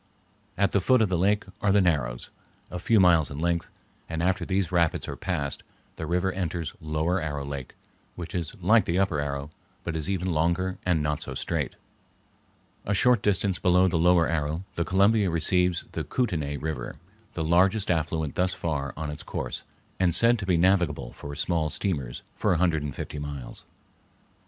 At the foot of the lake are the Narrows, a few miles in length, and after these rapids are passed, the river enters Lower Arrow Lake, which is like the Upper Arrow, but is even longer and not so straight. A short distance below the Lower Arrow the Columbia receives the Kootenay River, the largest affluent thus far on its course and said to be navigable for small steamers for a hundred and fifty miles.